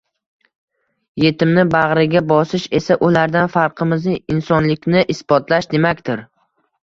Yetimni bag'riga bosish esa ulardan farqimizni — insonlikni isbotlash demakdir.